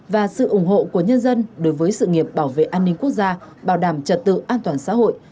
và sự ủng hộ của nhân dân đối với sự nghiệp bảo vệ an ninh quốc gia bảo đảm trật tự an toàn xã hội